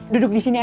duduk disini aja